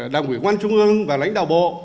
đảng ủy quan trung ương và lãnh đạo bộ